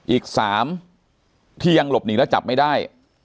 อีก๓ที่ยังหลบหนีแล้วจับไม่ได้